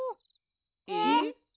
えっ？